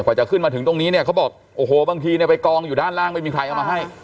จะขึ้นมาถึงตรงนี้เนี่ยเขาบอกโอ้โหบางทีเนี่ยไปกองอยู่ด้านล่างไม่มีใครเอามาให้